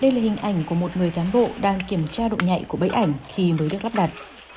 đây là hình ảnh của một người cán bộ đang kiểm tra độ nhạy của bẫy ảnh khi mới được lắp đặt